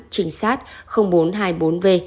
trình sát bốn trăm hai mươi bốn v